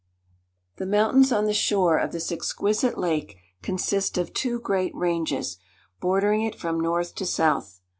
The mountains on the shore of this exquisite lake consist of two great ranges, bordering it from north to south.